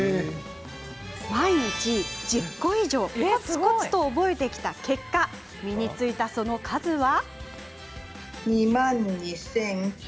毎日１０個以上こつこつと覚えてきた結果身についたその数は。